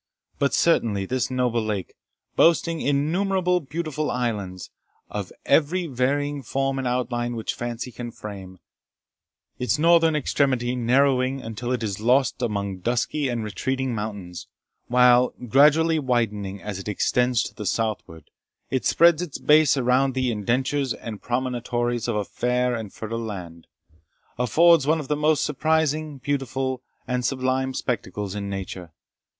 But certainly this noble lake, boasting innumerable beautiful islands, of every varying form and outline which fancy can frame, its northern extremity narrowing until it is lost among dusky and retreating mountains, while, gradually widening as it extends to the southward, it spreads its base around the indentures and promontories of a fair and fertile land, affords one of the most surprising, beautiful, and sublime spectacles in nature.